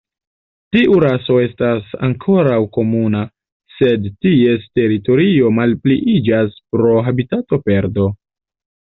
Tiu raso estas ankoraŭ komuna, sed ties teritorio malpliiĝas pro habitatoperdo.